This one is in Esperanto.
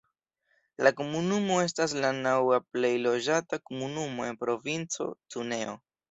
La komunumo estas la naŭa plej loĝata komunumo en provinco Cuneo.